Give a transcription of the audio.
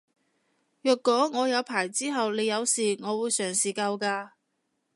若果我有牌之後你有事我會嘗試救嘅